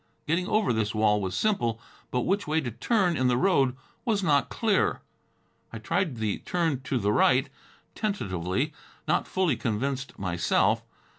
Getting over this wall was simple, but which way to turn in the road was not clear. I tried the turn to the right, tentatively, not fully convinced myself.